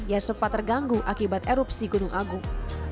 yang sempat terganggu akibat erupsi gunung agung